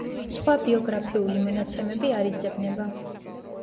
სხვა ბიოგრაფიული მონაცემები არ იძებნება.